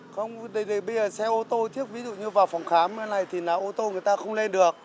không bây giờ xe ô tô thiếp ví dụ như vào phòng khám như thế này thì ô tô người ta không lên được